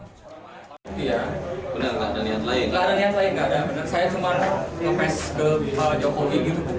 tidak ada niat lain saya cuma lepas ke jokowi